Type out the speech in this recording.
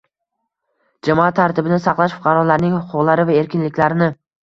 jamoat tartibini saqlash, fuqarolarning huquqlari va erkinliklarini